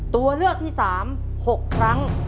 ตัวเลือกที่๓๖ครั้ง